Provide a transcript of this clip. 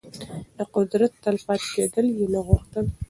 د قدرت تل پاتې کېدل يې نه غوښتل.